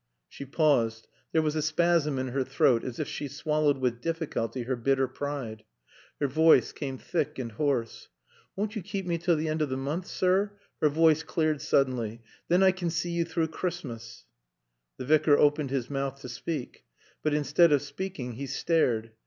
She paused. There was a spasm in her throat as if she swallowed with difficulty her bitter pride. Her voice came thick and hoarse. "Woan't yo' kape me till th' and o' t' moonth, sir?" Her voice cleared suddenly. "Than I can see yo' trow Christmas." The Vicar opened his mouth to speak; but instead of speaking he stared.